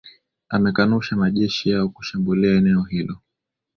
amekanusha majeshi yao kushambulia eneo hilo